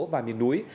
và miền núi